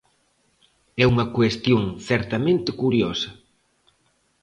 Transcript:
É unha cuestión certamente curiosa.